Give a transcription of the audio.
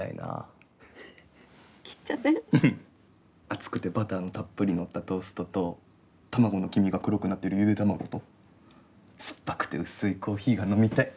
厚くてバターのたっぷりのったトーストと卵の黄身が黒くなってるゆで卵と酸っぱくて薄いコーヒーが飲みたい。